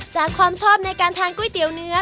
จากความชอบในการแทนกุ้ยเตี๋ยวเนื้อ